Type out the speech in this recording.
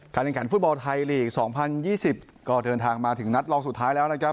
ขันฟุตบอลไทยลีก๒๐๒๐ก็เดินทางมาถึงนัดรองสุดท้ายแล้วนะครับ